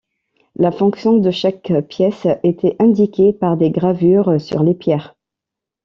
La fonction de chaque pièce était indiquée par des gravures sur les pierres.